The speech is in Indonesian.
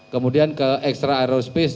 kemudian ke extra aerospace